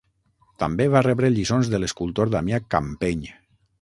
També va rebre lliçons de l'escultor Damià Campeny.